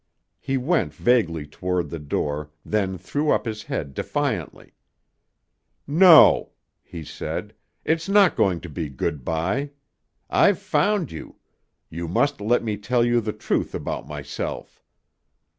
He went vaguely toward the door, then threw up his head defiantly. "No," he said, "it's not going to be good bye. I've found you. You must let me tell you the truth about myself.